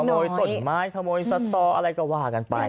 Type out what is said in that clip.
ขโมยต้นไม้ขโมยสตออะไรก็ว่ากันไป